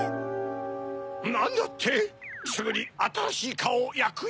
なんだって⁉すぐにあたらしいカオをやくよ。